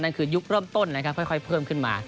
นั่นคือยุคเริ่มต้นค่อยเพิ่มขึ้นมา